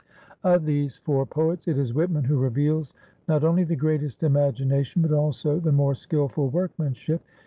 Of these four poets, it is Whitman who reveals not only the greatest imagination but also the more skilful workmanship.